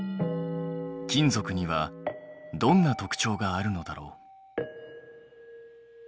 金属にはどんな特徴があるのだろう？